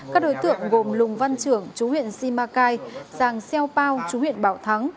các đối tượng gồm lùng văn trưởng chú huyện simacai giang seo pao chú huyện bảo thắng